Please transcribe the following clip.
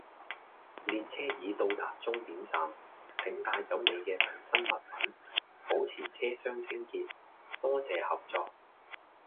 列車已到達終點站，請帶走你嘅隨身物品，保持車廂清潔，多謝合作